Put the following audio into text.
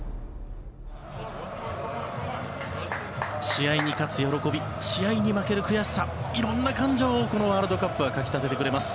試合に勝つ喜び試合に負ける悔しさいろんな感情をこのワールドカップはかき立ててくれます。